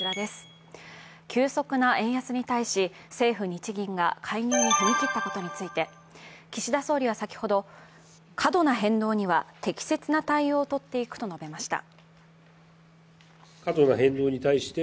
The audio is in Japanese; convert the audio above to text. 急速な円安に対し、政府・日銀が介入に踏み切ったことについて、岸田総理は先ほど、過度な変動には適切な対応をとっていくと述べました。